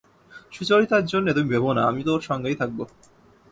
সুচরিতার জন্যে তুমি ভেবো না, আমি তো ওর সঙ্গেই থাকব।